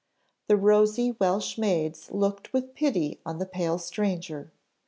The rosy Welsh maids looked with pity on the pale stranger.